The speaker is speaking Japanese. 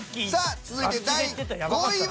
続いて第５位は。